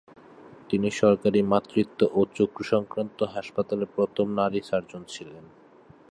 তিনি সরকারি মাতৃত্ব ও চক্ষুসংক্রান্ত হাসপাতালের প্রথম নারী সার্জন ছিলেন।